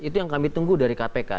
itu yang kami tunggu dari kpk